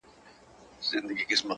چې د نسل نه کچه وي ځنې خلق